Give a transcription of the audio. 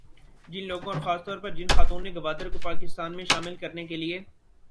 جن لوگوں اور خاص طور پر جن خاتون نے گوادر کو پاکستان میں شامل کرنے کے لیے